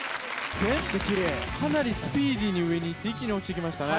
かなりスピーディーに上に行って一気に落ちて来ましたね。